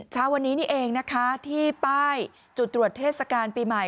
เช้าวันนี้นี่เองนะคะที่ป้ายจุดตรวจเทศกาลปีใหม่